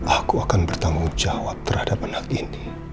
aku akan bertanggung jawab terhadap anak ini